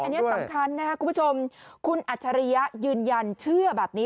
อันนี้สำคัญนะครับคุณผู้ชมคุณอัจฉริยะยืนยันเชื่อแบบนี้